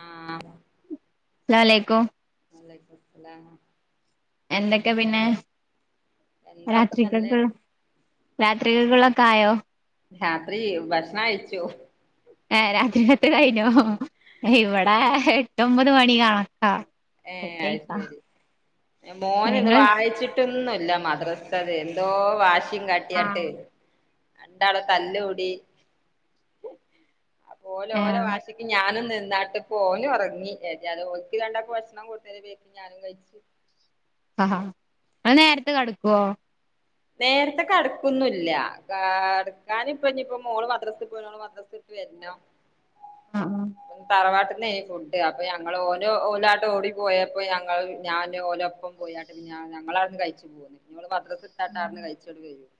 ഉം അസ്സലാമുഅലൈക്കും വലൈക്കുമു സ്ലലാം എന്തൊക്കെ പിന്നെ എന്താ രാ ഒക്കെ നല്ലേ ത്രികക്ക് രാത്രിക്ൾക്കുള്ളൊക്കെ ആായോ രാത്രി ഭക്ഷണം കഴിച്ചു ഏ രാ ത്രികത്ത് കഴിഞ്ഞോ ഇവിടെ എട്ടൊമ്പത് മണി കണക്കാ ഏ അത് ഫുഡഴിക്കാ ശരി മോന് ന്ന് ഞങ്ങൾ വായിച്ചിട്ട് ട്ടൊന്നുംല്ല മദ്രസ്തത് എന്തോ വാശിമ് കാട്ടിയാട്ട് ആഹ് രണ്ടാള് തല്ലൂടി അപ്പൊ ഓല് ഓലെ ഏഹ് വാശിക്ക് ഞാനും നിന്നാട്ട്പ്പോ ഓന് ഒറങ്ങി എല്ലാതെ ഓൽക്ക് രണ്ടാക്കും വാശി തിന്നാൻ കൊട്ത്തേന്റെ ബേക്കിൽ ഞാനും കഴിച്ച് അ ഹാ ങ്ങൾ നേരത്തെ കെട്ക്കോ നേരത്തെ കട്ക്കൊന്നുംല്ല കാട്ക്കാന് ഇപ്പ ഞ്ഞിപ്പോ മോള് മദ്രസ് പോയാണ് മദ്രസ് ട്ട് വര്നം ആഹ് ആഹ് തറവാട്ട്ന്നെയ് ഫുഡ് അപ്പൊ ഞങ്ങള് ഓന് ഓലാട്ട് ഓടി പോയപ്പോ ഞങ്ങള് ഞാന് ഓലൊപ് ഇപ്പം പോയാട്ട് പിന്നെ ഞ ഞങ്ങളാട്ന്ന് കഴിച്ച് പോന്ന് ഞ്ഞി ഓള് മദ്രസ്ട്ടാണ്ട് ആട്ന്ന് കഴിച്ചോണ്ട് വരും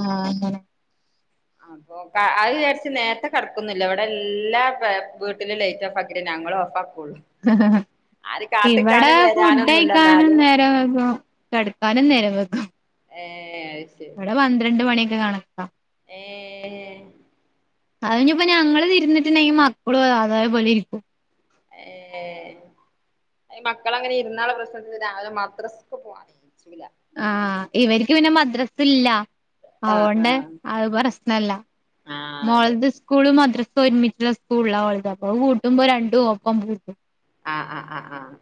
ആ അങ്ങനെ അപ്പൊ ക അത് ചാര്ച്ച് നേര്ത്തെ കെടക്കുന്നില്ല വ്ടെ എല്ലാ പെ വീട്ട്ലും ലൈറ്റ് ഓഫാക് ക്കിട്ടെ ഞങ്ങള് ഓഫാക്കൊള്ളൂ ഇവടെ വരാനൊന്നുല്ല ഫുഡയ്ക്കാനും എന്നാലും നേരം വൈകും കെട്ക്കാനും നേരം വെഗും ഏ അത് ശരി പന്ത്രണ്ട് മണിയൊക്കെ കാണക്ക ഏ അത്ഞ്പ്പോ ഞങ്ങള് ഇര്ന്ന്ട്ട്ണ്ടെങ്കി മക്കളും അതേ പോലെ ഇരിക്കും ഏ ഏ ഈ മക്കള് അങ്ങനെ ഇര്ന്നാള്ള പ്രശ്നന്താച്ച രാവിലെ മദ്രസ്ക്ക് പോവാ നീചൂല ആ ഇവര്ക്ക് പിന്നെ മദ്രസ് ല്ല ആ ആ അതൊണ്ട് അത് പ്രശ്നല്ല ആ അതെ മോൾദ്സ് സ്കൂളും മദ്രസും ഒര്മിച്ചുള്ള സ്കൂൾല ഓൾത് അപ്പൊ അത് പൂട്ടുമ്പോ രണ്ടും ഒപ്പം പൂട്ടും ആഹ് ആഹ് ആഹ്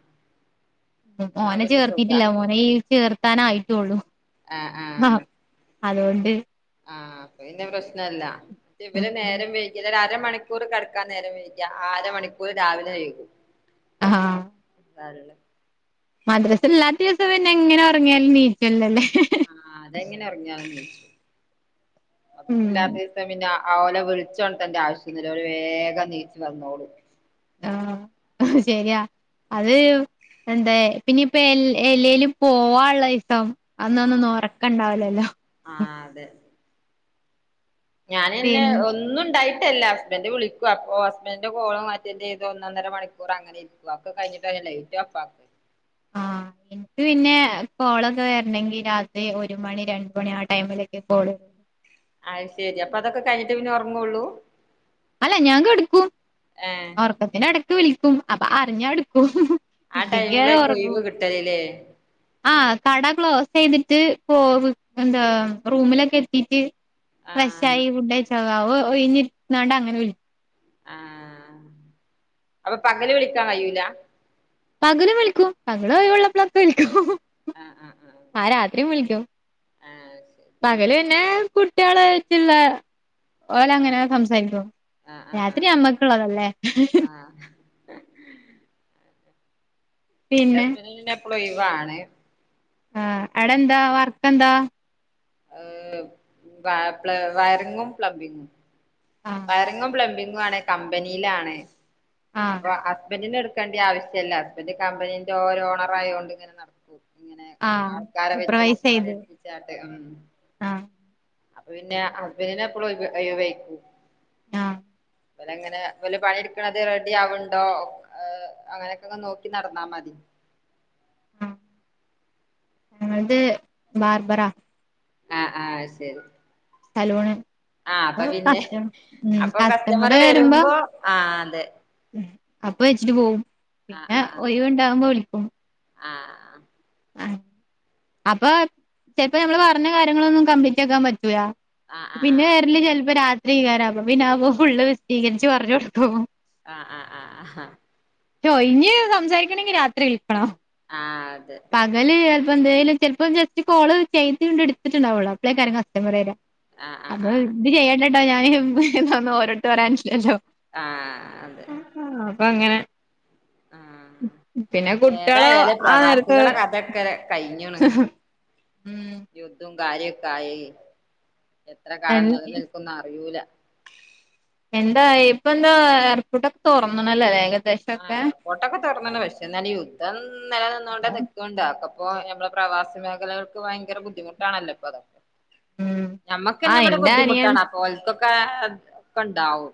ഉം മോനെ ചേർത്തീറ്റ്ല്ല മോനെ ഈ ചേർത്താനായിറ്റൊള്ളു ആഹ് ആഹ് അത് കൊണ്ട് ആ അപ്പ പിന്നെ പ്രശ്നല്ല ഉം ഇവര് നേരം വൈകിയല് ഒര് അരമണി ക്കൂറ് കട്ക്കാൻ നേരം വൈക്യ ആ അരമണിക്കൂർ രാവിലെ വഴ്കും ആഹ് താലൊല്ലൊ മദ്രാസ ല്ലാത്ത ദിവസം പിന്നെ എങ്ങനെ ഒറങ്ങിയാലും നീച്ചോല്ല ല്ലേ ആ അതെങ്ങനെ ഒറങ്ങിയാലും നീച്ചും ഉം മദ്രസല്ലാത്ത ദിവസം പിന്നെ ആ അ ഓലെ വിൾച്ചൊൺതണ്ടെ ആവ്ശ്യല്ല ഓല് വേഗം നീച്ച് വന്നോളും ആ ശരിയാ അത് എന്താ പിന്നെയിപ്പ എല് എലേലും പോവാള്ള ദിസം അന്നൊന്നൊന്നും ഒറക്കണ്ടാവുലല്ലോ ആ അതെ ഞാനന്നെ പിന്നെ ഒന്നുണ്ടായി ഇല്ല ഹസ്ബന്റ് വിളിക്കു അപ്പൊ ഹസ്ബന്റെ കോളും അറ്റന്റെയ്ത് ഒന്നൊന്നര മണിക്കൂർ അങ്ങനെ ഇ ര്ക്കും ഒക്കെ കഴ്ഞ്ട്ടാ പിന്നെ ലൈറ്റ് ഓഫാ ആ [unintelligible] ക്ക് പിന്നെ കോളൊക്കെ വെര്നെങ്കി രാത്രി ഒരു മണി രണ്ട് മണി ആ ടൈമിലൊക്കെ കോള് വെരൊള്ളു അയ് ശരി അപ്പ അതൊക്കെ കഴിഞ്ഞിട്ടേ പിന്നെ ഒർങ്ങുള്ളൂ അല്ല ഞാൻ കെട്ക്കും ഏഹ് ഓർക്കത്തിന്റെ എടക്ക് വിളിക്കും അപ്പ അറിഞ്ഞ ഇട്ക്കും ഇല്ലെങ്കി അങ്ങനെ ഒറങ്ങും ട്ടയ് ലേ ആഹ് കട ക്ലോസ് ചെയ്തിട്ട് പോവ് എന്താ റൂമിലൊക്കെ എത്തീറ്റ് ഫ്രഷ് ആഹ് ആയി ഫുഡയിച്ച് അ അവ് ഒഴിഞ്ഞിര്ന്നാണ്ട് അങ്ങനെ വിളി ആഹ് അപ്പ പകല് വിളിക്കാൻ കഴൂല പകലും വിളിക്കും പകല് ഒഴിവ്ള്ളപ്പ്ളൊക്കെ വിളിക്കും ആഹ് ആഹ് ആഹ് രാത്രിം വിളിക്കും ആഹ് ശരി പകല് പിന്നെ കുട്ട്യാളേറ്റ്ള്ള ആഹ് ഓലങ്ങനെ സംസാരിക്കും ആഹ് ആഹ് രാത്രി ആഹ് ഞമ്മക്ക്ള്ളതല്ലേ ആഹ് എന്റെ പിന്നെ ഹസ്ബൻഡിന് പിന്നെ എപ്പളും ഒഴ് വാണ് ആഹ് അടെ എന്താ വർക്ക്‌ എന്താ അഹ് വ പ്ലെ വയറിങ്ങും പ്ലംബിങ്ങും ആഹ് വയറിങ്ങും പ്ലമ്പിങ്ങും ആണ് കമ്പനിയിലാണ് ആഹ് അപ്പ ഹസ്ബന്റിനെട് ക്കെണ്ടിയെ ആവശ്യല്ല ഹസ്ബന്റ് കമ്പനിന്റെ ഓര് ഓണറായോണ്ട് ഇങ്ങനെ നട ഇങ്ങനെ ആഹ് ആൾക്കാരെ വെച്ച് സൂപ്പർവൈസ് ചെയ്ത് പണിയിടിപ്പിച്ചാട്ട് ഉം ആഹ് അപ്പ പിന്നെ ഹസ്ബന്റിന് എപ്പളും ഒഴിവ് ഒഴ് വേയ്ക്കും ആഹ് ഓലങ്ങനെ ഓല് പണി ഇട്ക്ക്ണത് റെഡി ആവ്ണ്ടോ അഹ് അങ്ങനെയൊക്കെങ് നോക്കി നടന്നാ മതി ആഹ് ഞങ്ങൾത് ബാർബറാ അഹ് ആഹ് അയ് ശരി സലൂണ് ആഹ് അപ്പ പിന്നെ കസ്റ്റം ഉം അപ്പൊ കസ്റ്റമർ കസ്റ്റമറ് വെരുമ്പോ ആഹ് അതെ ഉം അപ്പ വെച്ചിട്ട് പോവും ആഹ് പിന്നെ ആഹ് ഒഴിവുണ്ടാവുമ്പോ വിളിക്കും ആഹ് അഹ് ആഹ് അപ്പ ചെല് പ്പോ നമ്മള് പറഞ്ഞ കാര്യങ്ങളൊന്നും കംപ്ലീറ്റ് ആക്കാൻ പറ്റൂയാ അഹ് ആഹ് പിന്നെ വെര്ല് ചെല് പ്പോ രാത്രി എയ്കരം പ്പ പിന്നെ അ പോ ഫുള്ള് വിശ്ദീകരിച്ച് പറഞ്ഞൊട്ക്കും ആഹ് ആഹ് ആഹ് ആഹ് അഹാ റ്റൊയിഞ്ഞ് സംസാരിക്കണങ്കി രാത്രി വിൽക്കണം ആഹ് അതെ പകല് ചെല് പ്പോ എന്തേലും ചെല് പ്പോ ജസ്റ്റ് കോള് ചെയ്ത്ണ്ട് ഇട്ത്ത്ട്ട്ണ്ടാവൊള്ളു അപ്പളേക്കാരം കസ്റ്റമറ് വെരാ ആഹ് ആഹ് അപ്പൊ ആഹ് ഇത് ചെയ്യണ്ടട്ടോ ഞാന് ഇതൊന്നും ഓരെട്ത്ത് പറയാൻറ്റ്ല്ലല്ലോ ആഹ് അതെ ആഹ് അപ്പഅങ്ങനെ ആഹ് പിന്നെ കുട്ട്യാളോ ആ നേര റ്റ്ങ്ങളെ കഥെ ക്കെ കഴ് ഞ്ഞ്ണ് ഉം യുദ്ധം കാര്യൊക്കെ ആയി എത്ര എൻ കാലം നിലനിൽക്കുന്ന് അറിയൂല എന്തായി ഇപ്പൊ എന്താ എയർപോർട്ടൊക്കെ തൊറന്ന്ണല്ലോ ല്ലെ ആഹ് എയർപോർട്ടൊക്കെ തൊർന്ന്ണ് പക്ഷേ ന്നാലും യുദ്ധം നില നിന്നോണ്ടെ നി ക്ക്ണ്ടാക്കും അപ്പോ നമ്മളെ പ്രവാസി മേഖലകൾക്ക് ഭയങ്കര ബുദ്ധിമുട്ടാണല്ലോ ഇപ്പാവ്ടെക്കെ ഉം ഞമ്മക്കെന്നെ ആഹ് ഇവടെ എന്റെ അനിയൻ ബുദ്ധിമുട്ടാണ് അപ്പൊ ഓൽക്കൊക്കെ ഒക്കെണ്ടാവും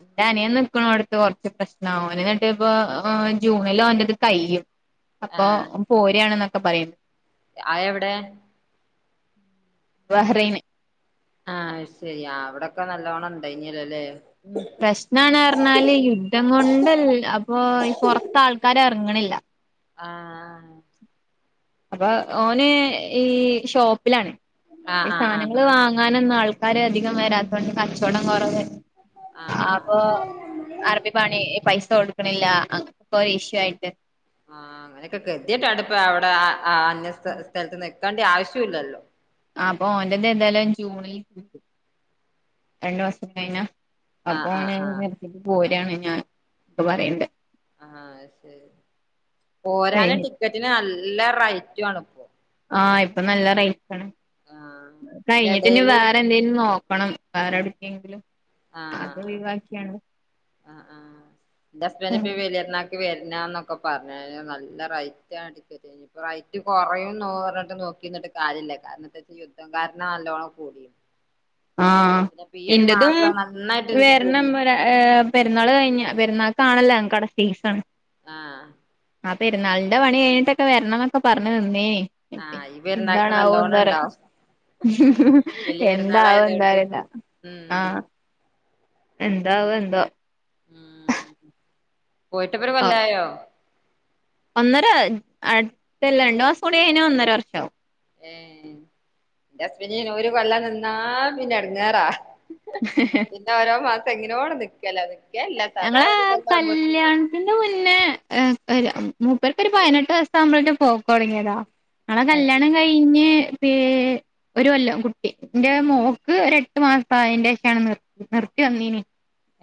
ഇന്റെ അനിയൻ നിക്കണോട്ത്ത് കൊർച്ച് പ്രശ്ണാ ഓന് ഇന്നട്ട് ഇപ്പോ ജൂണില് ഓന്റേത് കയ്യും അപ്പൊ ഓം പോരാണ്ന്നൊക്കെ പറീണ്ട് ആ എവിടെ ബഹ്റൈന് ആ ശരിയാ അവിടൊക്കെ നല്ലോണം ഉണ്ടായിനെല്ലോ ല്ലേ ഉം പ്രശ്നാണ് പറഞ്ഞാല് യുദ്ധം കൊണ്ടല്ല അപ്പൊ ഈ പൊറത്ത് ആൾക്കാര് ഇറങ്ങണില്ല ആഹ് അപ്പൊ ഓന് ഈ ഷോപ്പിലാണ് ആഹ് ഈ ആഹ് ആഹ് സാനങ്ങള് വാങ്ങാനൊന്നും ആൾക്കാര് അധികം വരാത്തോണ്ട് കച്ചോടം കുറവ് ആഹ് അപ്പൊ അറബി പണി ഈ പൈസ കൊടുക്കണില്ല [unintelligible] ഇഷ്യൂ ആയിട്ട് ആഹ് അങ്ങനൊക്കെ കതിട്ടാണ്ട് ഇപ്പം ഔടെ അ അന്യ സ്ഥലത്ത് നിക്കേണ്ടി ആവശ്യം ഇല്ലല്ലോ ആ അപ്പോ ഓൻ്റെത് ഏന്തായാലും ജൂണിൽ രണ്ടു മാസം കഴിഞ്ഞാ ആഹ് അപ്പൊ ആഹ് ഓന് ആഹ് ഗൾഫ്ക്കാ പോരാണ് ഞാൻ ഇപ്പ പറയ്ണ്ട് ആഹ് ശരി പോരാന് കഴിഞ്ഞ് ടിക്കറ്റിന് നല്ല റൈറ്റാണ് ആഹ് ഇപ്പൊ നല്ല റൈറ്റാണ് ആഹ് കഴിഞ്ഞിട്ട് ഇനി ഇതിന്റെടേല് വേറെ എന്തേലും നോ ണംക്ക വേറെ എടുക്കെങ്കിലും ആഹ് ആ ആ ഇന്റെ ഹസ്ബൻഡ് ഇപ്പം ഈ വലിയ പെരുന്നാൾ ക്ക് വര്നാന്നൊക്കെ പറഞ്ഞ് നല്ല റൈറ്റാ ടിക്ക റ്റിന് ഇനിയിപ്പം റൈറ്റ് കുറയും നോക്കിന്നിട്ട് കാര്യല്ല കാരണം എന്താ വച്ചാ യുദ്ധംകാരണം ആണല്ലോ നല്ലോണം കൂടിയേ ആഹ് ഇന്റേതും മാസം നന്നായിട്ട് വര്ണം കൂടി പറ ഏഹ് പെരുന്നാൾ കഴിഞ്ഞ പെരുന്നാൾക്കാണല്ലോ ഞങ്ങക്ക് ഔടെ സീസൺ ആഹ് ആ പെരുന്നാളിന്റെ പണി കഴിഞ്ഞിട്ടൊക്കെ വരണംന്നൊക്കെ പറഞ്ഞ് നിന്നിനി ആഹ് ഈ പെരുന്നാക്ക് എന്താണാവോ എന്താ നല്ലോണം പറ ഇണ്ടാവും വലിയ എന്താവോ പെരുന്നാളായതോണ്ട് എന്താരില്ല ഉം ആഹ് എന്താവോ എന്തോ പോയിട്ട് ഇപ്പൊരു കൊല്ലായോ ഒന്നര അടുത്തല്ല രണ്ടു മാസം കൂടി കഴിഞ്ഞാ ഒന്നര വർഷാവും ഏഹ് ഇൻ്റെ ഹസ്ബൻഡിന് ഒരു കൊല്ലം നിന്നാ പിന്നെ എടങ്ങാറാ [inaudible] ഓരോ മാസം എങ്ങനോടെ നിക്കല നിക്കല്ല സാധാ ഒരു കൊല്ലാവുമ്പോത്തിന് വരും ഇതിന്റെ മുന്നേ മൂപ്പേർക്കൊരു പയിനെട്ട് വയ വയസ്സാകുമ്പോളേക്ക് പോക്ക് തുടങ്ങിയതാ ഞങ്ങളെ ഏഹ് കല്യാണം കഴിഞ്ഞ് പി ഒരു കൊല്ലം കുട്ടി ഇന്റെ മോക്ക് ഒര് എട്ട് മാസം പ്രായം ഇണ്ടായതിന് ശേഷാണ് നിര് നിർത്തി വന്നീനി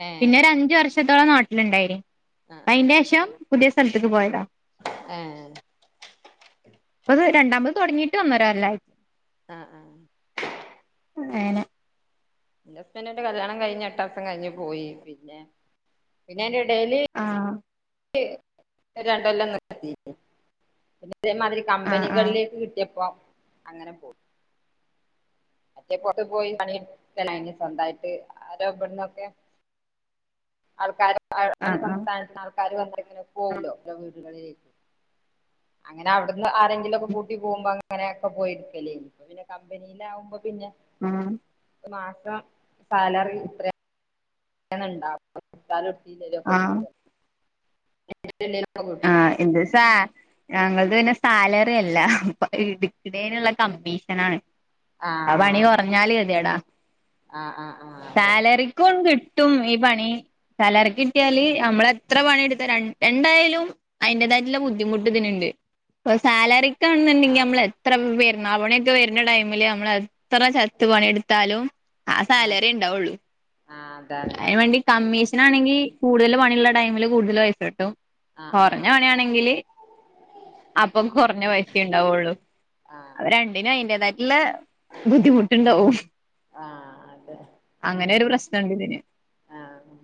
ഏഹ് പിന്നെ ഒരു അഞ്ച് വർഷത്തോളം നാട്ടിലുണ്ടായിനി ആഹ് ആഹ് അയിന്റെ ശേഷം പുതിയ സ്ഥല്ത്ത്ക്ക് പോയതാ ഏഹ് ഇപ്പത് രണ്ടാമത് തുടങ്ങിട്ട് ഒന്നര കൊല്ലായി ആഹ് ആഹ് അങ്ങനെ എന്റെ ഹസ്ബൻഡ് കല്യാണം കഴിഞ്ഞ് എട്ട് മാസം കഴിഞ്ഞ് പോയി പിന്നെ പിന്നെ അയ്ന്റെ എടേല് ആഹ് രണ്ടുകൊല്ലം നിൽക്കണേനി ഇതേമാതിരി ആഹ് ആഹ് കമ്പനികളിലേക്ക് കിട്ടിയപ്പോ അങ്ങനെ പോയി മറ്റേ പൊറത്ത് പോയി പണി [unintelligible] സ്വന്തായിട്ട് ആരോ ഇവിടന്നൊക്കെ ആൾക്കാർ [unintelligible] ആഹ് സംസ്ഥാനത്തിന് ആൾക്കാര് വന്ന് ഇങ്ങനെ ആഹ് പോവല്ലോ ലോങ് അങ്ങനെ അവിടുന്ന് ആരെങ്കിലും ഒക്കെ കൂട്ടി പോകുമ്പോ അങ്ങനെയൊക്കെ പോയിരിക്കലേനി പിന്നെ കമ്പനിയിലാവുമ്പോ പിന്നെ ആഹ് മാസം സാലറി എത്രയാ? [unintelligible] എടുത്താലും എടുത്തില്ലേലും ഒക്കെ ആഹ് കിട്ടും [unintelligible] കിട്ടും ആഹ് എന്ത് സാ ഞങ്ങൾത് പിന്നെ സാലറി അല്ല എടുക്ക്ണേനുള്ള കമ്മീഷൻ ആണ് ആഹ് പണി കൊറഞ്ഞാല് ഗതിയേടാ ആഹ് ആഹ് ആഹ് അതെ ക്കും കിട്ടും ഈ പണി [unintelligible] കിട്ടിയാല് നമ്മള എത്ര പണിയെടുത്താ രണ്ട് രണ്ടായാലും അതിന്റേതായിട്ടുള്ള ബുദ്ധിമുട്ട് ഇതിനുണ്ട് ഇപ്പൊ സാലറിക്കാണെന്നുണ്ടെങ്കി ആഹ് അതെ ആഹ് ആഹ് നമ്മളെത് എത്ര പെരുന്നാൾ പണിയൊക്കെ വരുന്ന ടൈമില് നമ്മളെത്ര ചത്ത് പണിയെടുത്താലും ആ സാലറിയേ ഇണ്ടാവുള്ളൂ ആഹ് അതാണ് അയിന് വേണ്ടി കമ്മീഷനാണെങ്കി കൂടുതൽ പണിയുള്ള ടൈമില് കൂടുതൽ പൈസ കിട്ടും ആഹ് കൊറഞ്ഞ ആഹ് പണിയാണെങ്കില് അപ്പം കൊറഞ്ഞ പൈസ ഉണ്ടാവുള്ളു ആഹ് ആഹ് അപ്പ രണ്ടിനും അയിന്റേതായിട്ടുള്ള ബുദ്ധിമുട്ടുണ്ടാവും ആഹ് അതെ അങ്ങനെ ഒരു പ്രശ്നണ്ട് ഇതിന് ആഹ്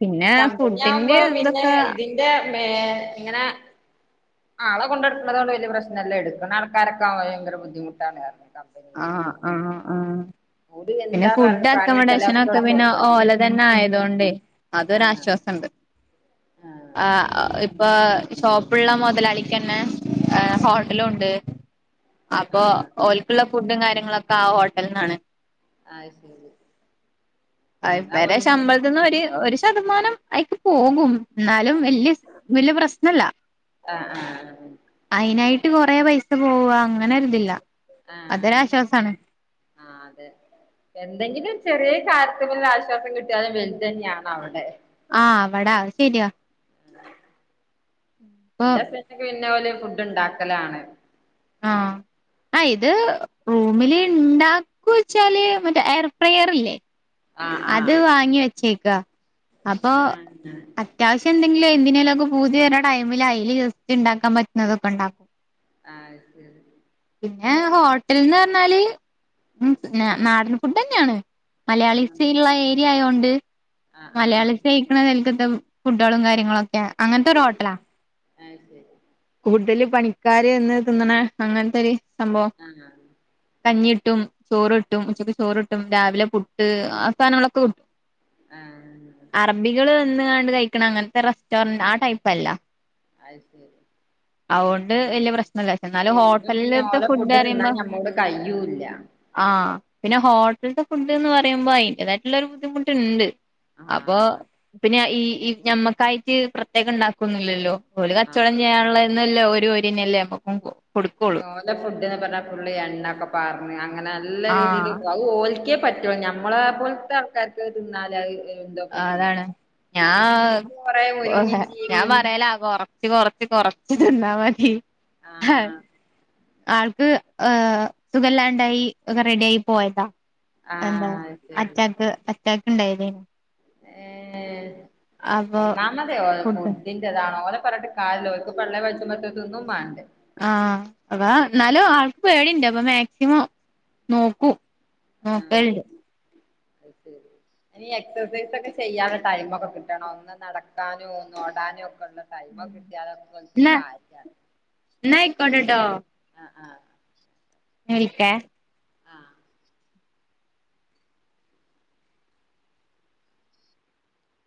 പിന്നെ കമ്പനി ആവുമ്പോ ഫുഡിന്റെ പിന്നെ ഇതൊക്കെ ഇതിന്റെ മേ ഇങ്ങനെ ആളെ കൊണ്ടടക്കണ കൊണ്ട് വല്യ പ്രശ്നല്ല എടുക്കണ ആൾക്കാരൊക്കെ ആവുമ്പം ഭയങ്കര ബുദ്ധിമുട്ടാണ് പറഞ്ഞ് കമ്പനി ആഹ് ആഹ് ആഹ് പിന്നെ എന്താ പറ ഫുഡ് പണിച്ചാല് അക്കോമഡേഷൻ ഒക്കെ പിന്നെ എടുത്തൊടുക്കേണ്ടി വരും ഓലതെന്നെ ആയതോണ്ടെ ആഹ് അതൊരാശ്വാസണ്ട് ആഹ് ഇപ് ഇപ്പൊ ഷോപ്പുള്ള മൊതലാളിക്കെന്നെ ഏഹ്ഹോട്ടലും ഉണ്ട് അപ്പൊ ആഹ് ഓൽക്കുള്ള ഫുഡും കാര്യങ്ങളൊക്കെ ആ ഹോട്ടൽന്നാണ് അത് ശരി അ അങ്ങനാവുമ്പോ ഇവരെ പിന്നെ ശമ്പളത്തിന്ന് ഒരു ഒരു ശതമാനം അയിക്ക് പോകും എന്നാലും ആഹ് വല്യ വല്യ പ്രശ്നല്ല ആഹ് ആഹ് അയിനായിട്ട് കൊറെ പൈസ പോവാ അങ്ങനൊരുതില്ല ആഹ് ആഹ് അതെ എന്തെങ്കിലും ചെറിയ കാര്യത്തിമേല് ആശ്വാസം കിട്ടിയാലും വെലുതന്നെയാണ് അവിടെ ആഹ് അവിടാ അത് ശരിയാ ഇപ്പൊ ഇന്റെ ഹസ്ബൻഡൊക്കെ പിന്നെ ഓല് ഫുഡ് ഇണ്ടാക്കലാണ് ആഹ് ആ ഇത് റൂമില് ഇണ്ടാ ച്ചാല് മറ്റേ എയർ ഫ്രയർ ഇല്ലേ? ആഹ് അത് ആഹ് വാങ്ങി വെച്ചേക്കാ അപ്പൊ അത് ആഹ് അത്യാവശ്യന്തെങ്കിലും എന്തിനേലൊക്കെ പൂതി വരുന്ന ടൈമില് അയില് ജസ്റ്റ് ഇണ്ടാക്കാൻ പറ്റുന്നതൊക്കെ ഇണ്ടാക്കും ആഹ് അത് ശരി പിന്നെ ഹോട്ടൽന്ന് പറഞ്ഞാല് ഉം ന്നെ നാടൻ ഫുഡെന്നെയാണ് മലയാളീസ് ആഹ് സ് ഇള്ള ഏരിയ ആയോണ്ട് ആഹ് ആഹ് മലയാളീസ് കയിക്കണ [unintelligible] ഫുഡാളും കാര്യങ്ങളൊക്കെ ആഹ് അങ്ങൻത്തൊരു ഹോട്ടലാ അത് ശരി കൂടുതൽ പണി കാര് വന്ന് തിന്നണ അങ്ങനത്തെ ഒരു സംഭവം ആഹ് ആഹ് കഞ്ഞി കിട്ടും ചോറ് കിട്ടും ഉച്ചക്ക് ചോറ് കിട്ടും രാവിലെ പുട്ട് ആഹ് സാധാനങ്ങളൊക്കെ [unintelligible] ആഹ് അറബികൾ വന്ന് കാണ്ട് കഴിക്കണ അങ്ങനത്തെ റെസ്റ്റോറന്റ് ആ ടൈപ്പ് അല്ല അയ്ശരി അവോണ്ട് വല്യ പ്രശ്ന ഇല്ല ക്ഷെ അത് എന്നാല് എന്നും പിന്നെ ഹോട്ടലിലത്തെ ഓലെ ഫുഡ് അറയുമ്പോ തിന്നാൻ ഞമ്മോട് കയ്യൂല്ല ആഹ് പിന്നെ ഹോട്ടൽത്തെ ഫുഡ് എന്ന് പറയുമ്പോ അതിന്റേതായിട്ടുള്ള ഒരു ബുദ്ധിമുട്ട് ണ്ട് അപ്പൊ ആഹ് പിന്നെ ഈ ഞമ്മക്കായിട്ട് പ്രത്യേക ണ്ടാക്കൊന്നു ല്ലല്ലോ ഓല് കച്ചോടം ആഹ് ചെയ്യാനുള്ളതന്നല്ലേ ഒരുഓ രിന്നെല്ലേ നമ്മക്കും കൊടുക്കുള്ളൂ അതിന് ഓല ഫുഡ്ന്ന് പറഞ്ഞാ പുള്ളി എണ്ണൊക്കെപാർന്ന് അങ്ങനെ നല്ല രീതില് ആഹ് അഹ് ഓലിക്കെ പറ്റു നമ്മളെ പോലത്തെ ആൾക്കാർക്ക് അത് തിന്നാല അതാണ് ഞാ കൊറേ മുരിങ്ങിം ഞാൻ ചീരിം പറയല കൊറ ച്ച് കൊറച്ച് കൊറച്ച് തിന്നാ മതി ആഹ് ആൾക്ക് ഹ് സുഖംല്ലാണ്ടായി ഒക്കെ റെഡി ആയി പോയതാ എന്താ ആഹ് ശരി അറ്റാക്ക് അറ്റാക്ക് ണ്ടായതെയ് ന് ഏ അപ്പൊ ഒന്നാമതെ ഓ ഫുഡ് ഫുഡ്ഢിൻ താണോ ഓല പറഞ്ഞിട്ട് കാര്യല്ല ഓൽക്ക് പള്ളേ പൈച്ചുമ്പോത്തിക്ക്‌ തിന്നും മാണ്ടേ ആഹ് അതാ ഇന്നാലും ആൾക്ക് പേടിണ്ട് അപ്പൊ മാക്സിമം നോക്കും ആഹ് നോക്കലുണ്ട് അത് ശരി ഇനി എക്സസൈസ് ഒക്കെ ചെയ്യാന് ടൈമൊക്കെ കിട്ടണം ഒന്ന് നടക്കാനോ ഒ ന്ന് ഓടാനോ ഒക്കൊന്ന് ടൈമൊക്കെ കിട്ടിയാലൊക്കെ ഓന്ക്ക്‌ ഒരു എന്നാ കാര്യാണ് എന്നാ ആയിക്കോട്ടെട്ടോ ആഹ് ആഹ് വിളിക്കെ ആഹ്